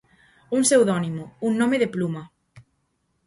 Un pseudónimo, un nome de pluma.